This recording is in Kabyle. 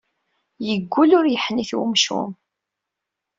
Yeggul ur yeḥnit wemcum.